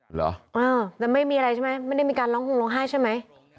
เหรอแต่ไม่มีอะไรใช่ไหมไม่ได้มีการร้องห่มร้องไห้ใช่ไหม